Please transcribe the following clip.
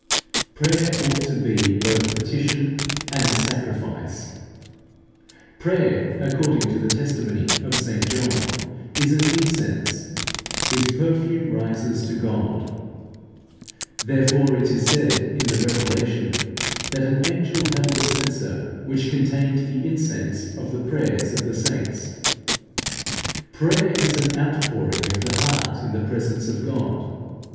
Prayer ought to be both petition and sacrifice. Prayer, according to the testimony of St John, is an incense, whose perfume rises to God. Therefore it is said in the Revelation (chap. viii. 3), that an angel held a censer, which contained the incense of the prayers of saints. Prayer is an outpouring of the heart in the presence of God.